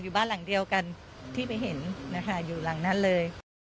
บ้านหลังเดียวกันที่ไปเห็นนะคะอยู่หลังนั้นเลย